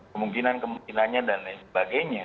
kemungkinan kemungkinannya dan lain sebagainya